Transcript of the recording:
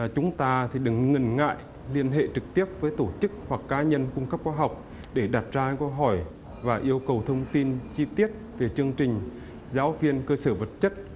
chúng ta thì đừng ngừng ngại liên hệ trực tiếp với tổ chức hoặc cá nhân cung cấp